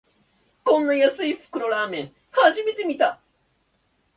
こんな安い袋ラーメン、初めて見た